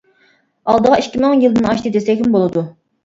ئالدىغا ئىككى مىڭ يىلدىن ئاشتى دېسەكمۇ بولىدۇ.